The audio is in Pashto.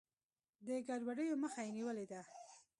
د ګډوډیو مخه یې نیولې ده.